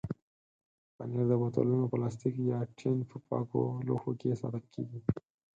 پنېر د بوتلونو، پلاستیک یا ټین په پاکو لوښو کې ساتل کېږي.